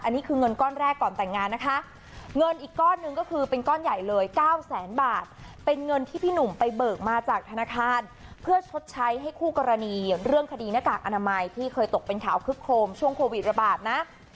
อันนี้คือเงินก้อนแรกก่อนแต่งงานนะคะเงินอีกก้อนหนึ่งก็คือเป็นก้อนใหญ่เลย๙แสนบาทเป็นเงินที่พี่หนุ่มไปเบิกมาจากธนาคารเพื่อชดใช้ให้คู่กรณีเรื่องคดีหน้ากากอนามัยที่เคยตกเป็นข่าวคึกโครมช่วงโควิดระบาดนะ